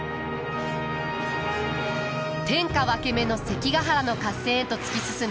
天下分け目の関ヶ原の合戦へと突き進む家康と家臣団。